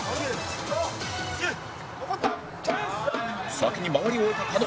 先に回り終えた狩野